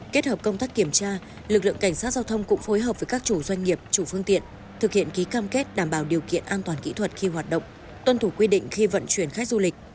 kết hợp công tác kiểm tra lực lượng cảnh sát giao thông cũng phối hợp với các chủ doanh nghiệp chủ phương tiện thực hiện ký cam kết đảm bảo điều kiện an toàn kỹ thuật khi hoạt động tuân thủ quy định khi vận chuyển khách du lịch